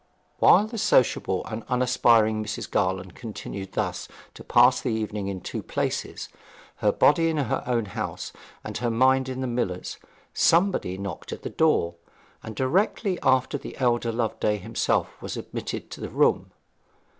"' While the sociable and unaspiring Mrs. Garland continued thus to pass the evening in two places, her body in her own house and her mind in the miller's, somebody knocked at the door, and directly after the elder Loveday himself was admitted to the room.